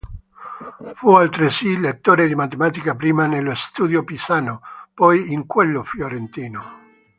Fu altresì lettore di matematica prima nello "Studio pisano", poi in quello fiorentino.